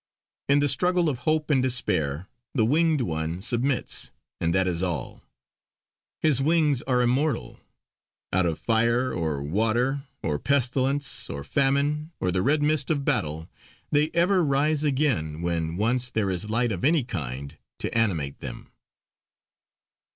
In the struggle of hope and despair the Winged One submits, and that is all. His wings are immortal; out of fire or water, or pestilence, or famine, or the red mist of battle they ever rise again, when once there is light of any kind to animate them.